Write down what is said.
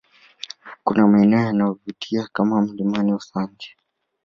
Kuna maeneo yanayovutia kama milimani Usangi